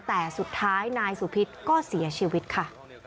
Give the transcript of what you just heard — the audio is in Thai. แต่สุดท้ายนายสุพิษก็เสียชีวิตค่ะ